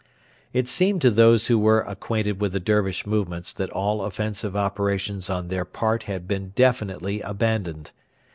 It seemed to those who were acquainted with the Dervish movements that all offensive operations on their part had been definitely abandoned.